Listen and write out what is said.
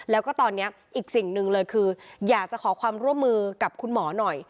แล้วก็ตอนนี้อีกสิ่งหนึ่งเลยคืออยากจะขอความร่วมมือกับคุณหมอหน่อย